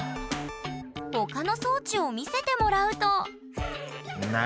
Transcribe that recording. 他の装置を見せてもらうと何？